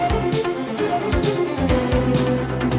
đăng ký kênh để ủng hộ kênh mình nhé